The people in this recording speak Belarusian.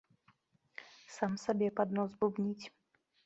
Сам сабе пад нос бубніць.